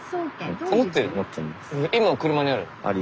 今車にある？